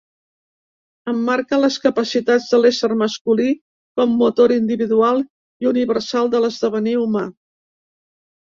Emmarca les capacitats de l'ésser masculí com motor individual i universal de l'esdevenir humà.